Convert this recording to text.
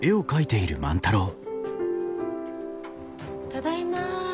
ただいま。